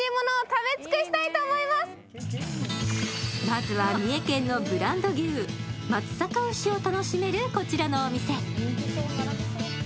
まずは三重県のブランド牛松阪牛を楽しめるこちらのお店。